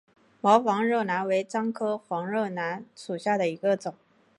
毛黄肉楠为樟科黄肉楠属下的一个种。